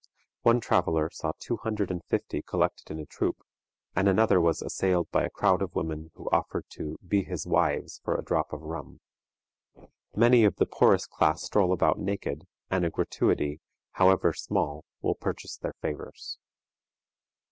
One traveler saw two hundred and fifty collected in a troop, and another was assailed by a crowd of women who offered to "be his wives" for a drop of rum. Many of the poorest class stroll about naked, and a gratuity, however small, will purchase their favors.